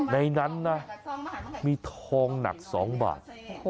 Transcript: ในนั้นนะมีทองหนัก๒บาท